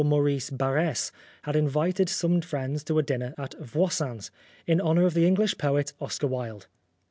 Maurice Barres had invited some friends to a dinner at Voisin's, in honour of the English poet, Oscar Wilde.